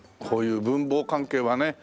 こういう文房関係はね